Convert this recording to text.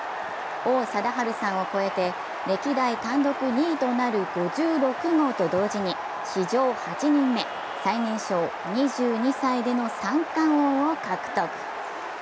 王貞治さんを超えて歴代単独２位となる５６号と同時に史上８人目最年少、２２歳での三冠王を獲得。